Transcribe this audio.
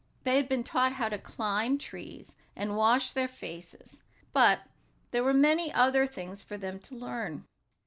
They had been taught how to climb trees, and wash their faces. But there were many other things for them to learn.